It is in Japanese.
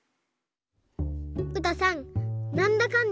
うたさんなんだかん